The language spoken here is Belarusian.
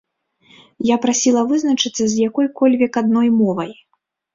Я прасіла вызначыцца з якой-кольвек адной мовай.